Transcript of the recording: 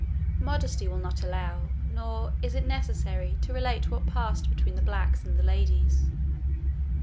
Modesty will not allow, nor is it necessary, to relate what passed between the blacks and the ladies.